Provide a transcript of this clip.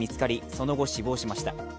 その後、死亡しました。